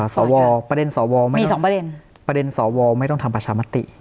สอวประเด็นสอวไม่ต้องทำปัชธรรมติ